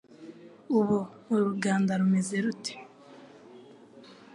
Ubu uruganda rumeze rute? (shitingi)